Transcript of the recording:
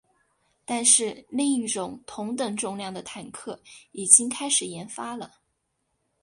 但是另一种同等重量的坦克已经开始研发了。